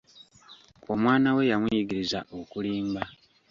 Omwana we yamuyigiriza okulimba!